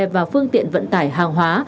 và phương tiện vận tải hàng hóa